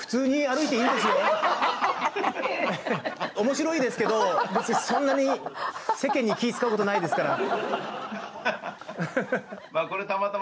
面白いですけど別にそんなに世間に気遣うことないですから。